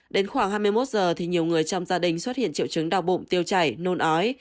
đến khoảng hai mươi một giờ thì nhiều người trong gia đình xuất hiện triệu chứng đau bụng tiêu chảy nôn ói